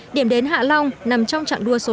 điểm đến hạ long nằm trong trạng đua số năm